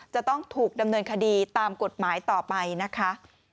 จะต้องถูกดำเนินคดีตามกฎหมายต่อไปนะคะ